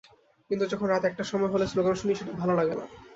কিন্তু যখন রাত একটার সময় হলে স্লোগান শুনি, সেটা ভালো লাগে না।